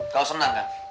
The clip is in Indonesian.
kau senang kan